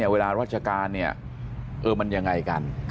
เวลาราชการมันยังไงกัน